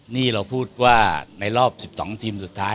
นี่เราพูดว่าในรอบ๑๒ทีมสุดท้าย